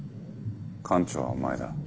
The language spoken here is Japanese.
艦長はお前だ。